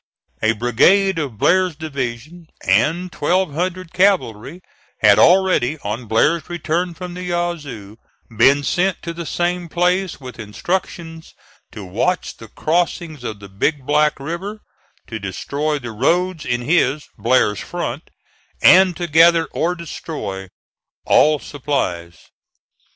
A brigade of Blair's division and twelve hundred cavalry had already, on Blair's return from the Yazoo, been sent to the same place with instructions to watch the crossings of the Big Black River, to destroy the roads in his (Blair's) front, and to gather or destroy all supplies.